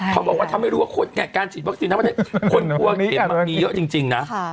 เขาบอกว่าเขาไม่รู้ว่าคนไงการฉีดวัคซีนแต่ว่าคนกลัวเข็มมีเยอะจริงนะ